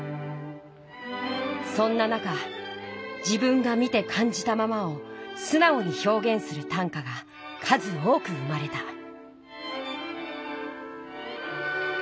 そんな中自分が見てかんじたままをすなおにひょうげんする短歌が数多く生まれた。